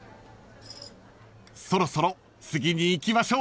［そろそろ次に行きましょう］